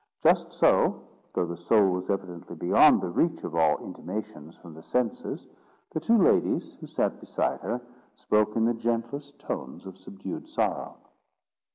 Just so, though the soul was evidently beyond the reach of all intimations from the senses, the two ladies, who sat beside her, spoke in the gentlest tones of subdued sorrow.